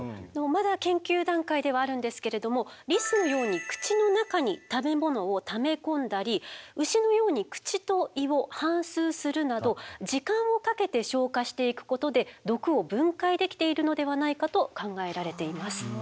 まだ研究段階ではあるんですけれどもリスのように口の中に食べ物をため込んだり牛のように口と胃を反すうするなど時間をかけて消化していくことで毒を分解できているのではないかと考えられています。